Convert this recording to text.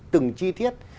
từng chi tiết